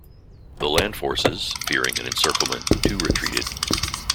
The land forces, fearing an encirclement, too retreated.